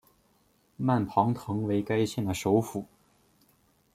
曼庞滕为该县的首府。